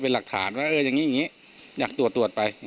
เป็นหลักฐานว่าเอออย่างนี้อย่างนี้อยากตรวจตรวจไป